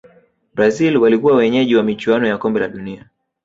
brazil walikuwa wenyeji wa michuano ya kombe la dunia